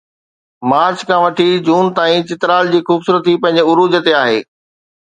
march کان وٺي June تائين چترال جي خوبصورتي پنهنجي عروج تي آهي